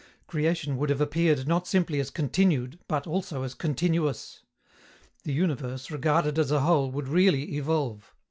Creation would have appeared not simply as continued, but also as continuous. The universe, regarded as a whole, would really evolve.